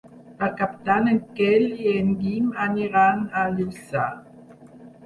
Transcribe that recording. Per Cap d'Any en Quel i en Guim aniran a Lluçà.